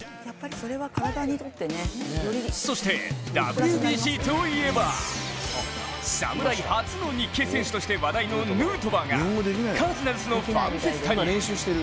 そしてＷＢＣといえば侍初の日系選手として話題のヌートバーがカージナルスのファンフェスタに。